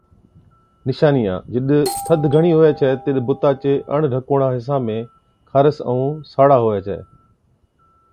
نِشانِيان، جِڏ ٿڌ گھڻِي هُوَي ڇَي تِڏ بُتا چي اڻ ڍڪوڙان حِصان ۾ خارس ائُون ساڙا هُوَي ڇَ۔